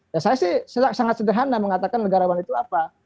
ya saya sih sangat sederhana mengatakan negarawan itu apa